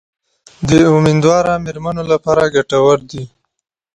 د امیندواره میرمنو لپاره ګټور دي.